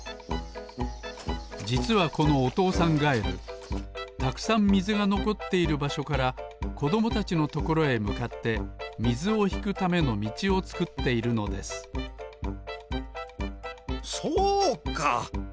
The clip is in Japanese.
じつはこのおとうさんガエルたくさんみずがのこっているばしょからこどもたちのところへむかってみずをひくためのみちをつくっているのですそうか！